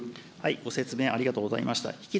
ご説明ありがとうございました。